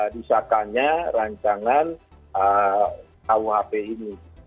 disahkannya rancangan rkuhp ini